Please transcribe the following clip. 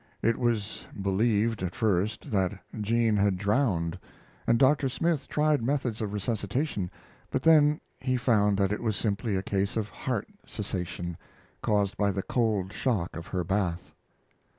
It was believed, at first; that Jean had drowned, and Dr. Smith tried methods of resuscitation; but then he found that it was simply a case of heart cessation caused by the cold shock of her bath.